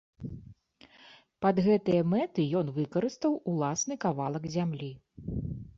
Пад гэтыя мэты ён выкарыстаў уласны кавалак зямлі.